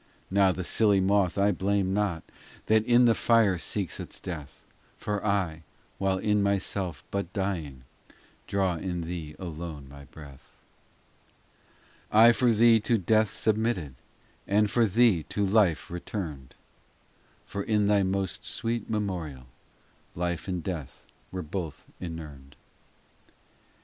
VI Now the silly moth I blame not, That in the fire seeks its death ; For I, while in myself but dying, Draw in thee alone my breath. VII I for thee to death submitted, And for thee to life returned ; For in thy most sweet memorial Life and death were both inurned.